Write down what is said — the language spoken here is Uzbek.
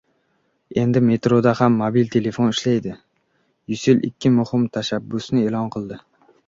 Endi metroda ham mobil telefon ishlaydi. «Usell» ikki muhim tashabbusni e’lon qildi